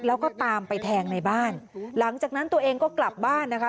แล้วก็ตามไปแทงในบ้านหลังจากนั้นตัวเองก็กลับบ้านนะคะ